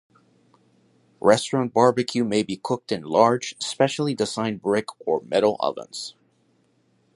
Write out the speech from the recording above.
Restaurant barbecue may be cooked in large, specially-designed brick or metal ovens.